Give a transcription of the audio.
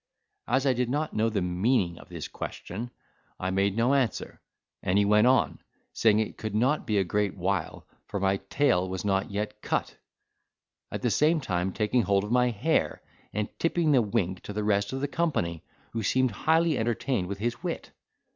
As I did not know the meaning of this question, I made no answer; and he went on, saying it could not be a great while, for my tail was not yet cut; at the same time taking hold of my hair, and tipping the wink to the rest of the company, who seemed highly entertained with his wit.